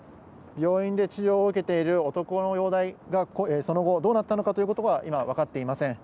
病院で治療を受けている男の容態がその後どうなったのかということは、今は分かっていません。